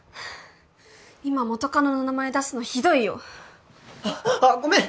今元カノの名前出すのひどいよあっごめん！